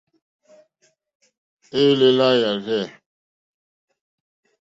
Élèlà jârzɛ̂.